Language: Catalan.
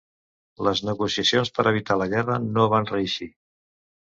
Les negociacions per evitar la guerra no van reeixir.